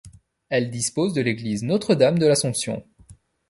Elle dispose de l'église Notre-Dame-de-l'Assomption.